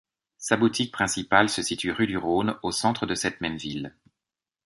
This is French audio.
Sa boutique principale se situe rue du Rhône, au centre cette même ville.